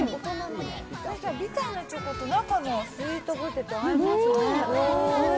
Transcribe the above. ビターなチョコと中のスイートポテト、合いますね。